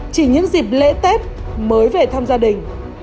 chỉ những dịp lễ tết mới về thăm gia đình